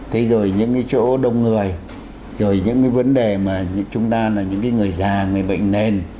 thế rồi những cái chỗ đông người rồi những cái vấn đề mà chúng ta là những người già người bệnh nền